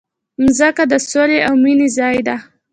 مځکه د سولې او مینې ځای ده.